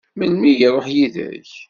Melmi i iṛuḥ yid-k?